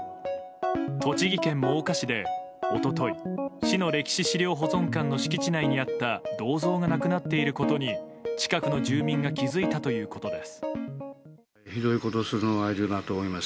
栃木県真岡市で一昨日市の歴史資料保存館の敷地内にあった銅像がなくなっていることに近くの住人が気付いたということです。